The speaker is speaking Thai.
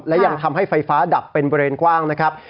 และยังทำให้ไฟฟ้าดับเป็นบริเวณกว้างนะครับ